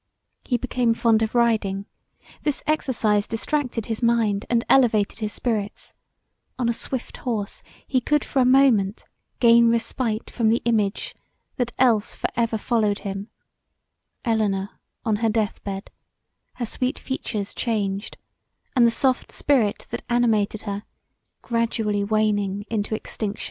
He became fond of riding; this exercise distracted his mind and elevated his spirits; on a swift horse he could for a moment gain respite from the image that else for ever followed him; Elinor on her death bed, her sweet features changed, and the soft spirit that animated her gradually waning into extinction.